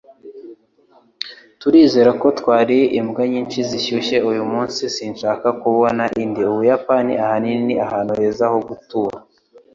Turizera ko twariye imbwa nyinshi zishyushye uyumunsi. Sinshaka kubona indi Ubuyapani, ahanini, ni ahantu heza ho gutura.